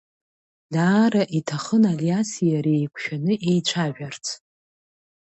Даара иҭахын Алиаси иареи еиқәшәаны еицәажәарц.